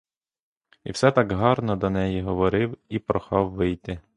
І все так гарно до неї говорив і прохав вийти.